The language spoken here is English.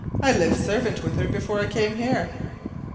“I lived servant with her before I came here.